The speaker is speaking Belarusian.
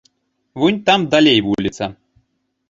Вунь там далей вуліца.